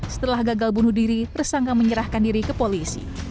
setelah gagal bunuh diri tersangka menyerahkan diri ke polisi